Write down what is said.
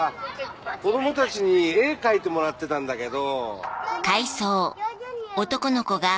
子供たちに絵描いてもらってたんだけど。